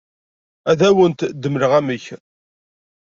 Ad awent-d-mleɣ amek.